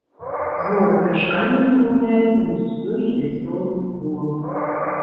Зноў памяшканне запаўняецца мітуснёй і вясёлым гулам.